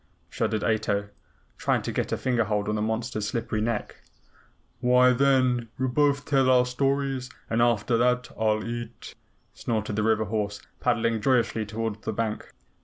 shuddered Ato, trying to get a finger hold on the monster's slippery neck. "Why, then, we'll both tell our stories, and after that I'll eat," snorted the river horse, paddling joyously toward the bank.